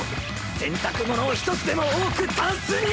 洗濯物を１つでも多くタンスに！